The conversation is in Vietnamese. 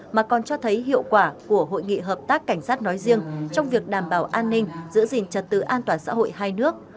mà còn cho thấy hiệu quả của hội nghị hợp tác cảnh sát nói riêng trong việc đảm bảo an ninh giữ gìn trật tự an toàn xã hội hai nước